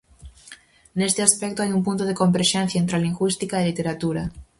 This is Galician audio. Neste aspecto, hai un punto de converxencia entre a Lingüística e a literatura.